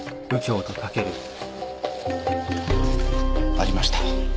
ありました。